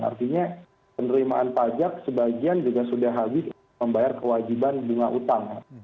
artinya penerimaan pajak sebagian juga sudah habis membayar kewajiban bunga utang